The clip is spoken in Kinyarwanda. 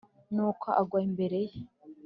Nuko agwa imbere ye